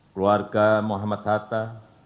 keluarga muhammad hatta